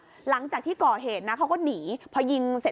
พอหลังจากเกิดเหตุแล้วเจ้าหน้าที่ต้องไปพยายามเกลี้ยกล่อม